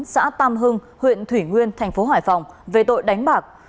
xã tam hưng huyện thủy nguyên thành phố hải phòng về tội đánh bạc